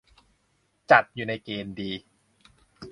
จัดอยู่ในเกณฑ์ดี